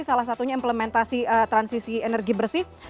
salah satunya implementasi transisi energi bersih